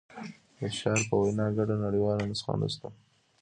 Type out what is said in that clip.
د شارپ په وینا ګډه نړیواله نسخه نشته.